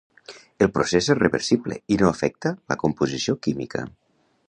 El procés és reversible i no afecta la composició química.